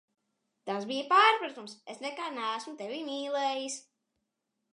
Tas bija pārpratums, es nekad neesmu Tevi mīlējis!